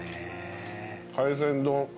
海鮮丼。